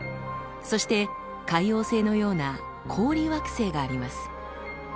そして海王星のような「氷惑星」があります。